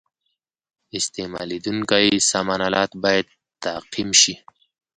استعمالیدونکي سامان آلات باید تعقیم شي.